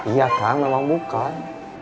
iya kang memang bukan